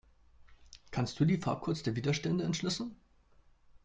Kannst du die Farbcodes der Widerstände entschlüsseln?